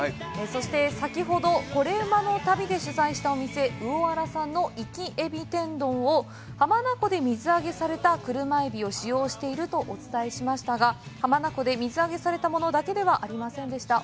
そして先ほど、「コレうまの旅」で取材したお店、魚あらさんの活き海老天丼を、浜名湖で水揚げされた車海老を使用しているとお伝えしましたが、浜名湖で水揚げされたものだけではありませんでした。